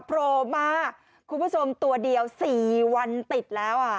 โผล่มาคุณผู้ชมตัวเดียว๔วันติดแล้วอ่ะ